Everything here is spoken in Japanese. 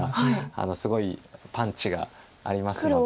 すごいパンチがありますので。